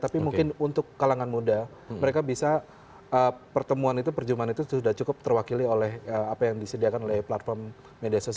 tapi mungkin untuk kalangan muda mereka bisa pertemuan itu perjumpaan itu sudah cukup terwakili oleh apa yang disediakan oleh platform media sosial